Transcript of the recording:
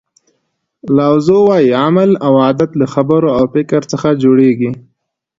لاو زو وایي عمل او عادت له خبرو او فکر څخه جوړیږي.